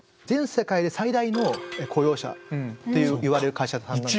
全世界で最大の雇用者といわれる会社さん。